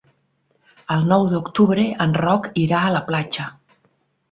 El nou d'octubre en Roc irà a la platja.